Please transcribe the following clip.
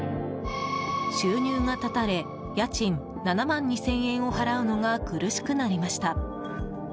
収入が絶たれ家賃７万２０００円を払うのが苦しくなりました。